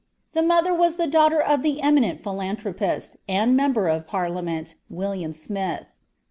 The mother was the daughter of the eminent philanthropist and member of Parliament, William Smith.